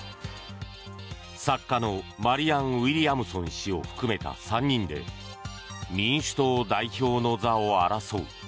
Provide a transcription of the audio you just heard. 作家のマリアン・ウィリアムソン氏を含めた３人で民主党代表の座を争う。